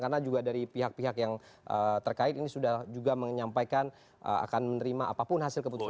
karena juga dari pihak pihak yang terkait ini sudah juga menyampaikan akan menerima apapun hasil keputusan